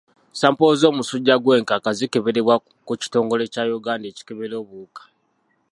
Sampolo z'omusujja gw'enkaka zikeberebwa ku kitongole kya Uganda ekikebera obuwuka.